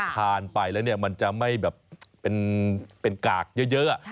ทานไปแล้วเนี่ยมันจะไม่แบบเป็นกากเยอะ